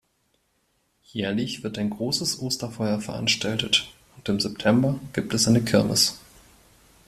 Jährlich wird ein großes Osterfeuer veranstaltet und im September gibt es eine Kirmes.